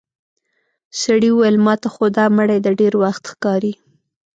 سړي وويل: ماته خو دا مړی د ډېر وخت ښکاري.